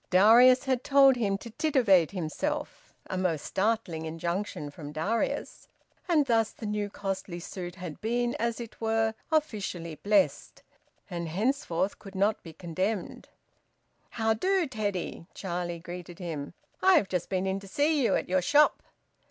Darius had told him to `titivate himself,' a most startling injunction from Darius, and thus the new costly suit had been, as it were, officially blessed and henceforth could not be condemned. "How do, Teddy?" Charlie greeted him. "I've just been in to see you at your shop."